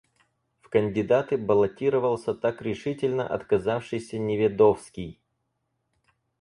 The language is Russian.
В кандидаты баллотировался так решительно отказавшийся Неведовский.